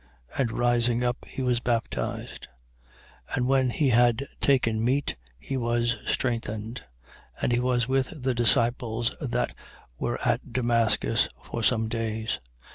And rising up, he was baptized. 9:19. And when he had taken meat, he was strengthened. And he was with the disciples that were at Damascus, for some days.